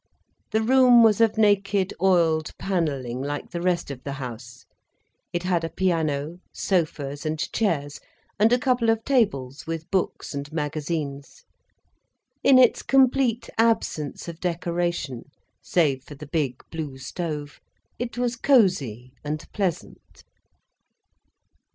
The room was of naked oiled panelling, like the rest of the house. It had a piano, sofas and chairs, and a couple of tables with books and magazines. In its complete absence of decoration, save for the big, blue stove, it was cosy and pleasant.